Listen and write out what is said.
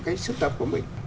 cái sưu tập của mình